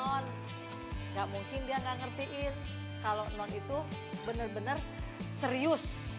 nggak mungkin dia nggak ngertiin kalau non itu benar benar serius